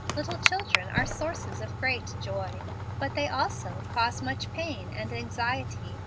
Little children are sources of great joy, but they also cause much pain and anxiety.